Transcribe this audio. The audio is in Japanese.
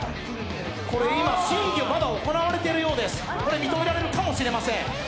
審議、まだ行われているようです、認められるかもしれない。